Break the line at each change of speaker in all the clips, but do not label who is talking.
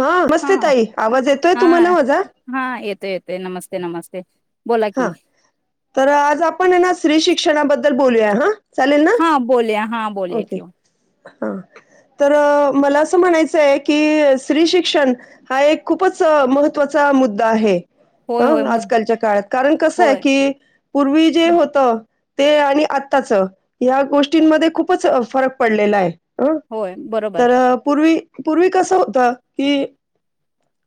हा नमस्ते
हा
ताई आवाज येतोय तुम्हाला
हा
माझा?
ते
हा तर आज आपण ना स्त्री शिक्षणाबद्दल बोल्या हा. चालेल ना
हा बोल हा. बोलले
ओके
किू.
हा तर मला असं म्हणायचंय की स्त्री शिक्षण हा एक खूपच महत्त्वाचा मुद्दा आहे.
होय होय
हा
मुद्दा
आजकालच्या काळात कारण कसं आहे
होय
की पूर्वी जे
हं,
होत. ते आणि आत्ताचं ह्या गोष्टींमध्ये खूप खूपच फरक पडलेला आहे. अं
होय बरोबर
तर पूर्वी पूर्वी कसं होत की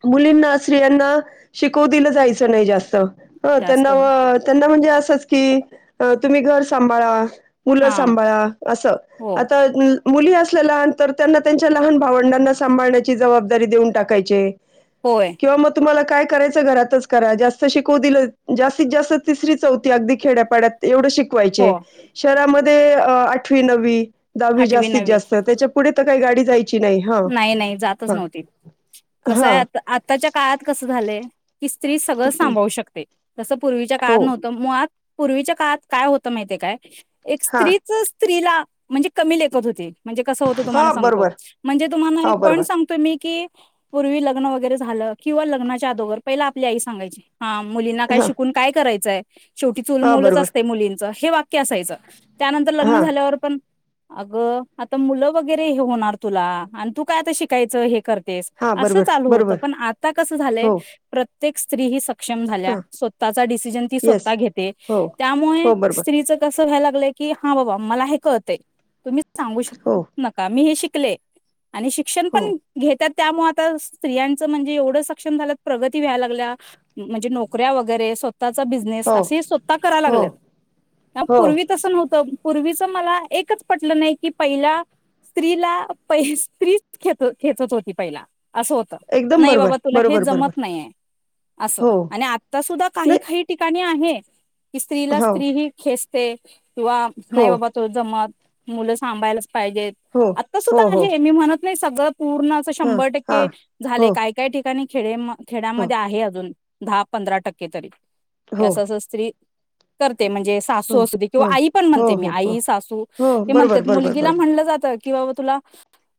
मुलींना स्त्रियांना शिकव दिलं जायचं नाही जास्त. हो
जास्त
त्यांना
होय
त्यांना म्हणजे? त की तुम्ही घर सांभाळा. मूल
हा
सांभाळा. असं
हो
आता. मुली असल्या लहान त्यांना त्यांच्या लहान भावंडांना सांभाळण्याची जबाबदारी देऊन टाकायची.
होय
किंवा मग तुम्हाला काय करायच घरातच करा जास्त शिक दि जास्तीत जास्त तिसरी चौथ अगदी खेड्यापाड्यात एवढ श
हो
शिकय शहरामध्ये ते अ अठ्वी नववी. दहावी
आठवी
जास्तीत
नववी
जास्त त्याच्या पुुढे. का गाडी जायची नाही. हा.
नाही नाही जातच
हा.
नव्हती,
हा.
कसंय आ आत्ताच्या काळात कसं झालंय, की स्त्री सगळं सांभाळू शकते. जसं पूर्वीच्या
हो.
काळात नव्हतं म आज पूर्वीच्या काळात काय होतं माहीतय काय एक
हा.
स्त्रीच स्त्रीला म्हणजे कमी लेखत होती. म्हणजे कसं होतं
हा
तुम्हाला [unintelligible]
बरोबर
म्हणजे तुम्हाला
हा
पण
बरोबर
सांगतोय मी की पूर्वी लग्न वगैरे झालं किंवा लग्नाच्या अगोर पहिला आपली आई सांगायची हा मुलींना काय
हा
शिकून काय करायचंय. शेवटी चूल
हा
मुलच
बरोबर
असते मुलींच, हे वाक्य असायचं त्यानंतर लग्न
हा
झाल्यावर पण अगं आता मुलं वगैरे हे होणार तुला, आणि तू काय आता शिकायचं हे कर
हा
अस
बरोबर
चालू होत
बरोबर
पण आता कस झालंय
हो
प्रत्येक स्त्री ही सक्षम
हा
झाल्या स्वतः चा डिसिजन ती
येस
स्वतः घेते
हो
त्यामुळे
हो बरोबर
स्त्रीच कस [unintelligible] सांगू शक
हो
नका मी हे शिक प्ले आणि शिक्षण
हो
पण घेतात. त्यामुळे आता स्त्रियांचं म्हणजे एवढं सक्षम झाला प्रगती व्हायला लागल्या म्हणजे नोकऱ्या वगैरे स्व स्वतःचा बिझनेस
हो
असे स्वतः करायला
हो
लागलेत
हो
पूर्वी तसं नव्हतं. पूर्वीच मला एकच पटलं नाही की पहिल्या स्त्रीला प स्त्री च खेचत होती पहिला असं होत
एकदम
नाही बाबा
बरोबर
तुला हे
बरोबर
जमत
बरोबर
नाहीय, असं
हो
आणि आता सुद्धा काही
नाही
काही ठिकाणी ह की स्त्रीला
हो
स्त्री ही खेच ते किंवा
हो
नाईबाबा तो जमत मुलं सांभायला पाहिजेत.
हो हो हो
आहे मी [unintelligible] नाही सगळं पूर्ण
हां
शंभर
हां
टक्के
हो
झाले काय काय ठिकाणी खेडे म
हो
खेडामध्ये आहे अजून. दहा पंधरा टक्के तरी हे
हो
असं असं स्त्री करते. म्हणजे
हो
सासू असू दे किंवा
हो
आई पण
हो
म्हणते मी
हो हो
आई सासू
हो
हे म्हणते
बरोबर बरोबर
मुलगीला
बरोबर
म्हणलं जात [inaudible] तुला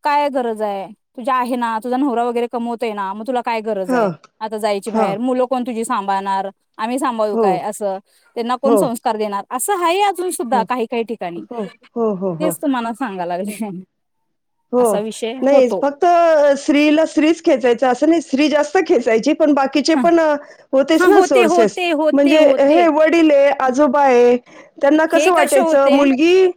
काय गरज आहे. तुझ्या आहे ना तुझा नवरा वगैरे कमवतो ना मग तुला काय गरज
हां
आहे आता जायची
हां
बाहेर मुलं कोण तुझी सांभाळणार आम्ही सांभाळू
हो
काय असं त्यांना कोण
हो
संस्कार देणार. असं आहे सुद्धा
हो
काही काही ठिकाणी
हो हो हो हो
तेच तुम्हाला सांगा लागले.
हो
असा विषय
नाही
होतो
फक्त स्त्रीला स्त्रीच खेचायच असं नाही स्त्री जास्त खेचायची. पण बाकीचे
ह
पण होते
हा
ना सोर्सेस
होते होते
म्हणजे
होते
हे वडील आहे आजोबा आहे त्यांना
हे
कसं
कसे
वाटायचं
होते
मुलगी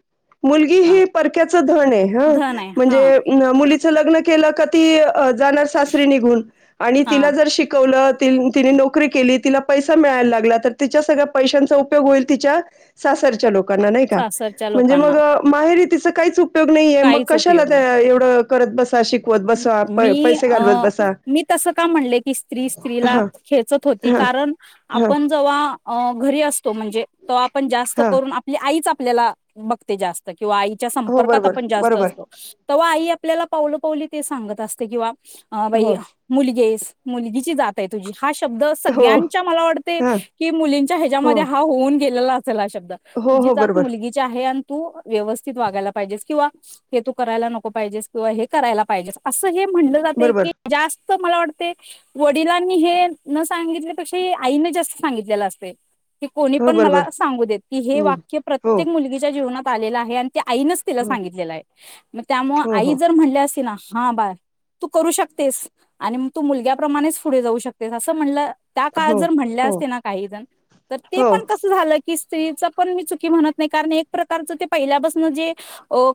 मुलगी
हा
ही परक्याच धन आहे.
धन हा
म्हणजे नम मुलीच लग्न केलं का ती जाणार सासरी निघून, आणि
हा
तिला जर शिकवलं तिने नोकरी केली तिला पैसा मिळायला लागला तर तिच्या सगळ्या पैशांचा उपयोग होईल तिच्या सासरच्या लोक नाही का
सासरच्या
म्हणजे
लोकांना
मग माहेरी ती तिचं काहीच उप उपयोग नाहीये मग
काहीच
त्याला
उपयोग नाही.
त्या एवढं अ करत बस.
मी अ
बसा
मी तस का म्हणले की स्त्री स्त्रीला
हां
खेचत होती
हां
कारण
हां
आपण जवा अ घरी अस तो म्हणजे तो आपण जास्त
हां
करून आपली आईचा आपल्याला मग ते जास्त आहे. किंवा आईच्या
हो
संपर्कात
बरोबर
आपण जास्त
बरोबर
असतो तव्हा आई आपल्याला पावलो पावली ते सांगत असते किंवा अ बाई
हो
मुलगी स मुलगीची जात आहे तुझी. हा शब्द
हो
सगळ्यांच्या मला वाटते
हां
की मुलींच्या
हो
ह्याच्यामध्ये हा होऊन गे ला. चला शब्द.
हो
तुझी
हो
जात
बरोबर
मुलगीची आहे आणि तू व्यवस्थित वागायला पाहिजेस किंवा हे तू करायला नको पाहिजेस किंवा हे करायला पाहिजेस अस हे म्हणल जातय
बरोबर
की जास्त मला वाट ते वडिलांनी हे न सांगितले पेक्षा आईने जास्त सांगितलेलं असतय. की कोणी
हो
पण मला
बरोबर
सांगू देत, की हे
हम्म
वाक्य
हो
प्रत्येक मुलगीच्या जीवनात आलेला आहे आणि त्या आईनच तिला
हो
सांगितलेलं आहे. मग त्यामुळ
हो
आई
हो
जर म्हणली असती ना हा बाळ तू करू शकतेस, आणि मग तू मुलग्याप्रमाणेच पुढे जाऊ शकतेस असं म्हणलं त्या काळात
हो
जर म्हणल्या
हो
असते ना काही जण, तर ते
हो
पण कस झालं की स्त्रीचा पण मी चुकी म्हणत नाही कारण, एक प्रकारच ते पहिल्यापासन जे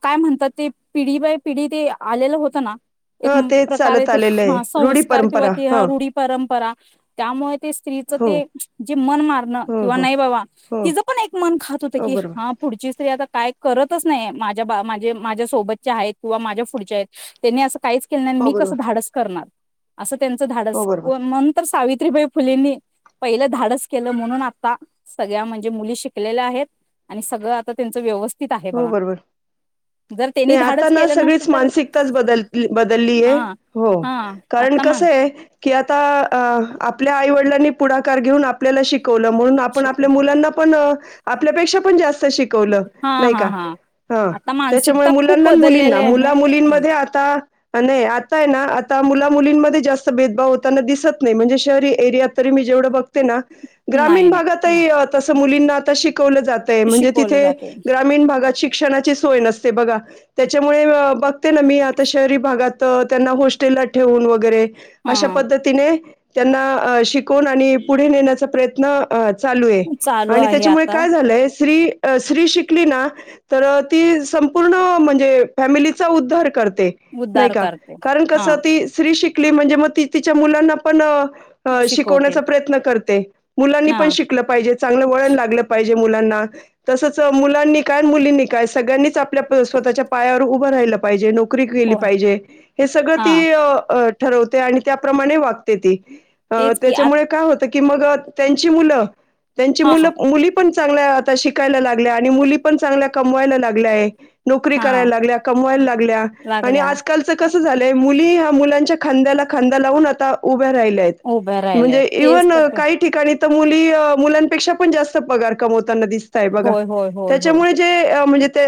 काय म्हणतात ते पिढी बाय पिढी ते आलेलं होत ना. एक
ह तेच
प्रकारे
चालत
ते
आलेलं आहे
हा
रूढी
संस्कार किंवा
परंपरा
ते ह रूढी परंपरा. त्यामुळे ते स्त्रीच
हो
ते जे मन मारण
हो
किंवा
हो
नाही बाबा
हो
तिचं पण एक मन खात होत
हो
की,
बरोबर
हा पुढची स्त्री आता काय करतच नाही माझ्या बा माझे माझ्या सोबतच्या आहेत किंवा माझ्या पुढच्या आहेत. त्यांनी असं काहीच केलं नाही आणि
हो
मी कसं
बरोबर
धाडस करणार. असं त्याचं
हो
धाडस
बरोबर
म्हणून तर सावि सावित्रीबाई फुलेंनी पहिलं धाडस केलं म्हणून आता सगळ्या म्हणजे मुली शिकलेल्या आहेत, आणि सगळं आता त्यांच व्यवस्थित स्थित आहे
हो
बघा.
बरोबर
जर त्यांनी धाडच केलं नसतं तर
कच बदललीय.
हा
हो
हा
कारण
आता
कस
मान
आहे कि आता आपल्या आईवडिलांनी पुढाकार घेऊन आपल्याला शिक शिकवलं म्हणून आपण आपल्या
शिकवते
मुलांना पण आपल्यापेक्षा पण जास्त शिकवलं.
हा
नाही का
हा हा
हा.
आता
त्याच्यामुळे
मानसिकता खूप
मुलांना अन
बदललेली
मुलींना. मुला
आहे हा
मुलींमध्ये आता नाही आता आहे ना आता मुला मुलींमध्ये जास्त भेदभाव होताना दिसत नाही, म्हणजे शहरी एरियात तरी मी जेवढं बघते ना. ग्रामीण
नाही नाही
भागातही
नाही
तस मुलींना शिक शिकवलं जातय म्हणजे
शिकवलं
तिथे
जाते
भागात शिक्षणाची सोय नसते बघा. त्याच्यामुळे बघते ना मी, आता शहरी भागात तर त्यांना हॉस्टेलला ठेवून वगैरे
हा
अशा पद्धतीने त्यांना शिकवून आणि पुढे नेण्याचा प्रयत्न चालू आहे
चालू
आणि
आहे
त्याच्यामुळे
आता
काय झालंय. श्री श्री शिक तर ती संपूर्ण म्हणजे फमिलीचा उद्धार कर नाही
उद्धार
का
करते
कारण
हा
कस श्री शिक शिकली म्हणजे मग त तिच्या मुलांना पण
शिकवते
शिकवण्याचा प्रयत्न करते. मुलांनी
हा
पण शिकलं पाहिजे. चांगलं वळण लागलं पाहिजे. जे मुलांना तसंच. मुलांनी काय मुलींनी काय सगळ्यांनीच आपल्या स्वतःच्या पायावर उभं राहिलं पाहिजे. नोकरी क केली
हो
पाहिजे हे सगळ
हा
ती ठरवते आणि त्याप्रमाणे वागते तेी अ
तेच की आ
त्याच्यामुळे काय होत. की मग त्यांची मुलं त्यांची
हा
मुलं मुली पण चां आता शिकायला ला आणि मुली पण चांगल्या कमवायला लागल्या आहे. नोकरी
हा
करायला लागल्या कमवायला लागल्या आणि
लागल्या
आजकालचं कस झा मुली ह मुलांच्या खांद्यायाला खांदा लावून आही-या रा
उभ्या राहिल्या
म्हणजेव
तेच
इव्हान
तर
काही ठिका मुली मुलांपेक्षा पण जास्त पगार कमवत. ना दिसतय बघा.
होय होय होय होय
त्याच्यामुळे जे म्हणजे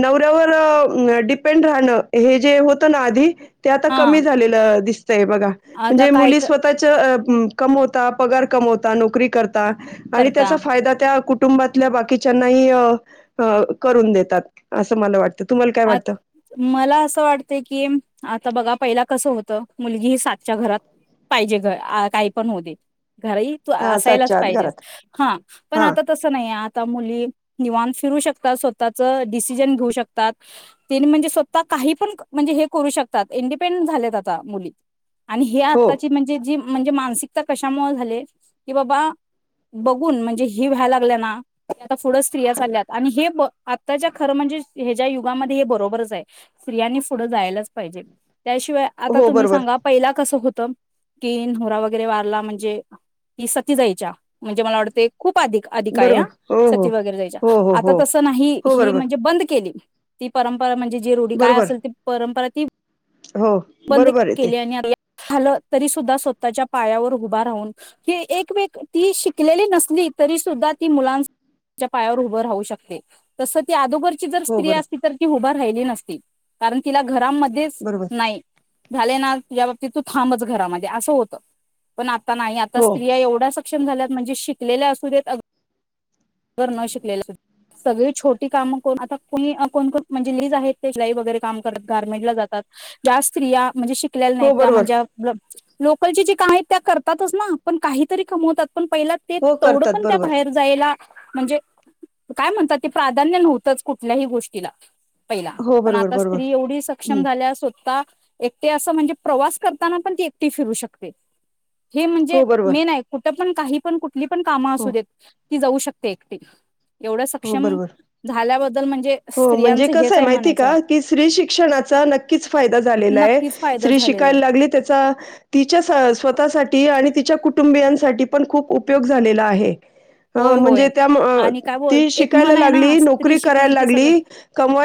नवऱ्यावर डिपेंड राहणं हे जे होत ना आधी ते आता
हा
कमी झालेलं दिस. बघा
आता
म्हणजे
काय
मुली स्वतःच्या कम होता पगार कम होता नोकरी करता. आणि
करता
त्याचा फायदा त्या कु कुंबातल्या बाकी ना करून देतात असं मला वाटत.
आ मला असं वाटत की आता बघा पहि कस होत मुलगी सातच्या घरात पाहिजे काही पण हो दे. घर ह तू
हां,
असायलाच
आत
पाहिजेस
घरात.
हा पण
हां,
आता तसं नाही. मुली निवाण फिरू शकता स्वतःच डिसिजन घेऊ शकता तेनी म्हणजे स्वतः काही पण म्हणजे हे करू शकतात इंडिपेंडेंट झालेत आता मुली आणि हे
हो.
आत्ताची म्हणजे जी म्हणजे मानसिकता कशामुळे झाली की बाबा बघून म्हणजे हे व्हायला लागल्या ना आता पुढं स्त्रिया चालल्यात आणि हे आताच्या खरं म्हणजे ह्याच्या युगामध्ये हे बरोबरच आहे स्त्रियांनी पुढं जायलाच पाहिजे त्याशिवाय आता
हो,
तुम्ही
बरोबर.
सांगा पहिला कसं होत [unintelligible] कि नोरा वगैरे वारला म्हणजे की सती जायच्या म्हणजे मला वाटते खूप अधिक अधिक आहे ह
बरोबर. हो, हो.
सती वगैरे जायच्या
हो, हो,
आता
हो.
तसं नाही
हो
ही
बरोबर
म्हणजे बंद केली ती परंपरा म्हणजे जी रोढी काय
बरोबर
असेल ते परंपरा ती
हो
बंद
बरोबर आहे
केली
ते
आणि आता झालं तरी सुद्धा स्वतःच्या पायावर उभं राहून क एकेक ती शिकलेली नसली तरी सुद्धा ती मुलांच्या पायावर उभं राहू शकते तस ती अगोदरची
हो
स्त्री
बरो
असती तर की हुबारली राहिली नसती कारण तिला घराबाहेर घरामध्येच
बरोबर
नाही झाले ना तुझ्या बाबतीत तू थांबच घरामध्ये असं होतं पण आ नाही आता
हो
स्त्रिया एवढ्याच शिक्षण झाल्यात म्हणजे शिकलेल्या असू देत अगर न शिकलेल्या असू देत सगळी छोटी कामं करून आता कोणी कोणण म्हणजे लीज आहेत ते शिलाई वगैरे काम करत गार्मेंट ला जातात ज्या स्त्रिया म्हणजे शिकलेल्या नाही
हो
त्या
बरोबर
म्हणजे लोकलची जी काम आहेत त्या करतातच ना पण काहीतरी कमवतात. पण पहिला ते
हो
तेवढं
करतात
पण त्या
बरोबर
बाहेर जायला म्हणजे काय म्हणतात ते प्राधान्य नव्हतंच. कुठल्याही गोष्टीला पहिला
हो
पण
बरोबर
आता
बरोबर
स्त्री एवढी सक्षम
हम्म
झाल्या स्वतः एकटे असं म्हणजे प्रवास करताना पण ती एकटी फिरू शकते. हे म्हणजे
हो बरोबर
मी नाही कुठ पण काही पण कु कुठली पण कामं
हो
असू देत ती जाऊ शकते एकटी एवढं
हो
सक्षम
बरोबर
झाल्याबद्दल म्हणजे
हो म्हणजे
स्त्रियांच हेच
कसय
आहे
माहिती
म्हणायचं
का की स्त्री शिक्षणाचा नक्कीच फायदा झालेला आहे.
नक्कीच फायदा
स्त्री
झालेला आहे
शिकायला लागली त्याचा तिच्या स्वतःसाठी आणि तिच्या कुटुंबियांसाठी पण खूप उपयोग झालेला आहे. ह
होय होय
म्हणजे त्या
आणि काय बोल एक
शिकायला
म्हण आहे
लागली,
ना स्त्री
नोकरी
शिकली
करायला
की सगळं
लागली,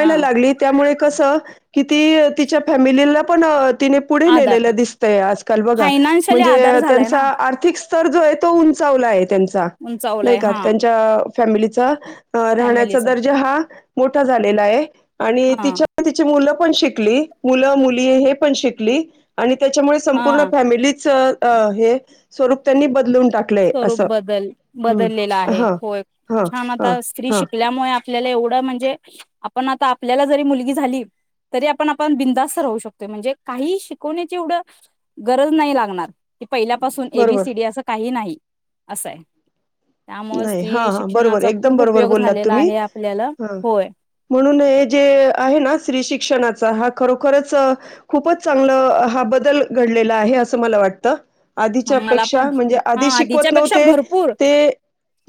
हा
लागली त्यामुळे कसं, की ती तिच्या फॅमिली [unintelligible] पण [unintelligible] तिने पुढे
आधार
नेलेल दिसतय आजकाल बघा
फायनान्शियली आधार
म्हणजे
झालाय
त्यांचा
ना
आर्थिकस् तर जो आहे तो उंचावला आहे. त्यांचा नई
उंचावलाय
का
हा
त्यांच्या फॅमिलीचा अ राहण्याचा
फॅमिलीचा
दर्जा हा मोठा झालेला आहे. आणि
हा
तिच्या [unintelligible] तिची मुलं पण शिकली, मुल मुली हे पण शिकली आणि त्याच्यामुळे संपूर्ण
हा
फॅमिलीच अ हे स्वरूप त्यांनी बदलून टाकलंय
स्वरूप
असं
बदल बदललेल
हम्म
आहे,
हा
होय हा ना ता स्त्री शिकल्यामुळे आ पल्याला एवढं म्हणजे आपण आता आपल्याला जरी मुलगी झाली, तरी आपण आपण बिंदास्त राहू शकतोय म्हणजे काहीही शिकवण्याची एवढं गरज नाई लागणार. की पहिल्यापासून ए बी
बरोबर
सी डी असं काही नाही. असं आय.
नाई हा बरोबर, एकदम बरोबर
उपयोग
बोललात
झालेला
तुम्ही,
आहे आपल्याला
ह
होय
म्हणून हे जे आहे ना श्री शिक्षणा चा हा खरोखरच अ खूपच चांगल हा बदल घडलेला आहे, असं मला वाटत.
मला पण
आधीच्यापेक्षा म्हणजे
हा
आधी
आधीच्या
शिकवत
पेक्षा
नव्हते
भरपूर
ते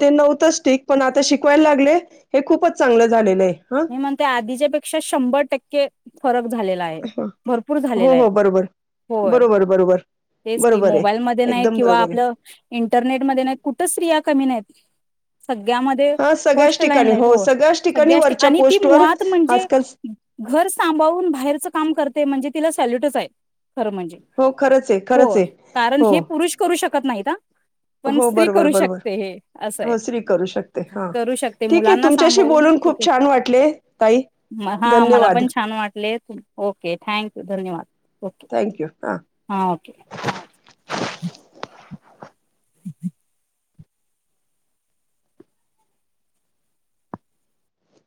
ते नव्हतंच ठीक पण आता शिकवायला लागले, हे खूपच चांगलं झालेलं आहे. हा.
मी म्हणते आधीच्या पेक्षा शंभर टक्के फरक झाले येला आहे, भरपूर
हो
झालेला आय,
हो बरोबर
होय
बरोबर बरोबर
तेच की
बरोबर आहे.
मोबाईल मध्ये नाई
एकदम
किंवा
बरोबर आहे
आपलं इंटरनेटमध्ये नाई, कुठच स्त्रिया कमी नाहीत. सगळ्यामध्ये
हा सगळ्याच
फर्स्ट लाईन
ठिकाणी
ला आहेत
हो सगळ्याच ठिकाणी
सगळ्या
वर
आणि ती
पोस्ट
मुळात म्हणजे
आजकाल
ग घर सांभाळून बाहेरच काम करते म्हणजे तिला सॅल्यूटच आहे. खरं म्हणजे
हो खरंच आहे खरंच
हो
आहे
कारण
हो
हे पुरुष करू शकत नाहीत हा, पण
हो
स्त्री
बरोबर
करू
बरोबर
शकते हे असं आय,
हो श्री करू शकते हा
करू शकते मुलांना सांभाळून ओके
ले ताई धन्यवाद
ले, ओके थँक्यू धन्यवाद ओके हा ओके [inaudible] [inaudible]